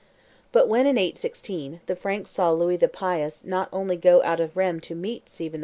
But when, in 816, the Franks saw Louis the Pious not only go out of Rheims to meet Stephen IV.